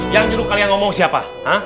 yang nyuruh kalian ngomong siapa